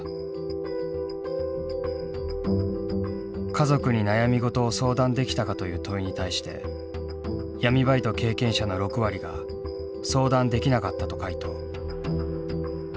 「家族に悩みごとを相談できたか」という問いに対して闇バイト経験者の６割が「相談できなかった」と回答。